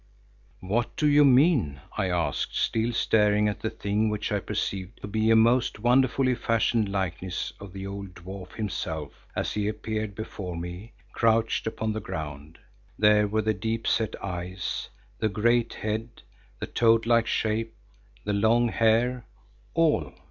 "What do you mean?" I asked, still staring at the thing which I perceived to be a most wonderfully fashioned likeness of the old dwarf himself as he appeared before me crouched upon the ground. There were the deepset eyes, the great head, the toad like shape, the long hair, all.